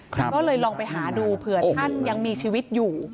ก็เลยลองไปหาดูเผื่อท่านยังมีชีวิตอยู่